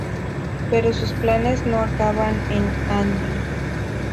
Pero sus planes no acaban en Andy.